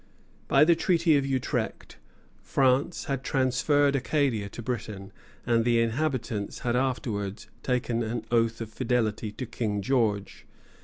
By the Treaty of Utrecht France had transferred Acadia to Great Britain, and the inhabitants had afterwards taken an oath of fidelity to King George.